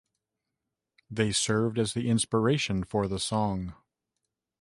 They served as the inspiration for the song.